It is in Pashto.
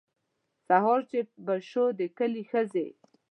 سهار چې به شو د کلي ښځې.